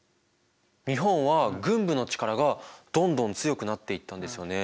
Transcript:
日本は軍部の力がどんどん強くなっていったんですよね。